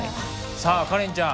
さあカレンちゃん